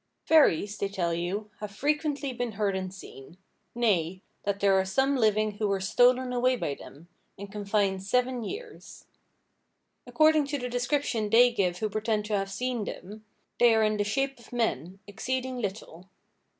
Fairies, they tell you, have frequently been heard and seen—nay, that there are some living who were stolen away by them, and confined seven years. According to the description they give who pretend to have seen them, they are in the shape of men, exceeding little.